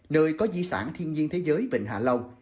nơi có di sản thiên nhiên thế giới vịnh hạ long